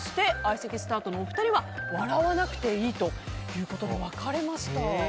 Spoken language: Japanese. そして相席スタートのお二人は笑わなくていいと分かれましたね。